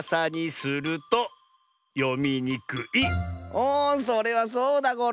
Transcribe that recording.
おそれはそうだゴロ！